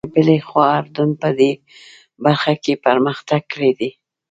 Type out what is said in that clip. له بلې خوا اردن په دې برخه کې پرمختګ کړی دی.